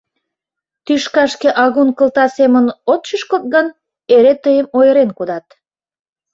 Тӱшкашке агун кылта семын от шӱшкылт гын, эре тыйым ойырен кодат.